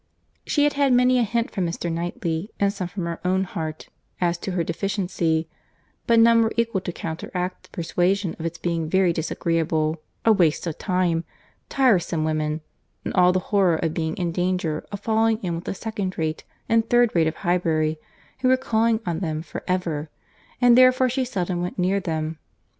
She had had many a hint from Mr. Knightley and some from her own heart, as to her deficiency—but none were equal to counteract the persuasion of its being very disagreeable,—a waste of time—tiresome women—and all the horror of being in danger of falling in with the second rate and third rate of Highbury, who were calling on them for ever, and therefore she seldom went near them.